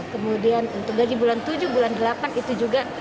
kemudian untuk gaji bulan tujuh bulan delapan itu juga